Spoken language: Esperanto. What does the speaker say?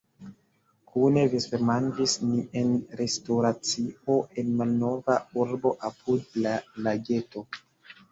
Kune vespermanĝis ni en restoracio en malnova urbo apud la lageto.